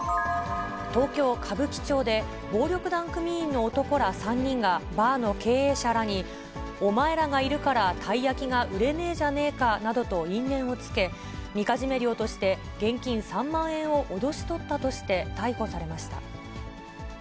東京・歌舞伎町で暴力団組員の男ら３人が、バーの経営者らに、お前らがいるからたい焼きが売れねぇじゃねえかなどと、因縁をつけ、みかじめ料として現金３万円を脅し取ったとして逮捕されました。